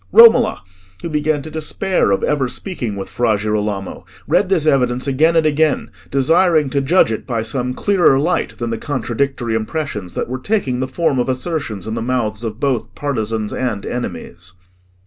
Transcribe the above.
Romola, who began to despair of ever speaking with Fra Girolamo, read this evidence again and again, desiring to judge it by some clearer light than the contradictory impressions that were taking the form of assertions in the mouths of both partisans and enemies.